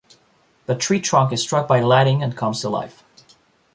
The tree trunk is struck by lighting and comes to life.